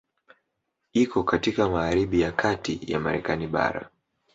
Iko katika magharibi ya kati ya Marekani bara.